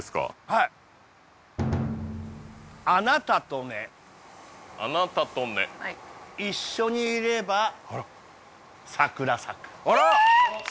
はいあなたとねあなたとね一緒にいればあら桜咲くあら！